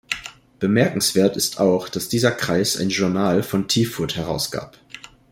Bemerkenswert ist auch, dass dieser Kreis ein Journal von Tiefurt herausgab.